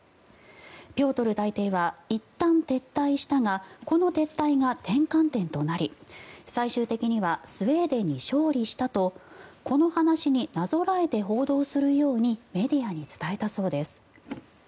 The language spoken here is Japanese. ピョートル大帝はいったん撤退したがこの撤退が転換点となり最終的にはスウェーデンに勝利したとこの話になぞらえて報道するようにメディアに伝えたそうです。